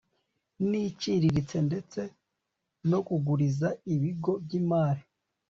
n iciriritse ndetse no kuguriza ibigo by imari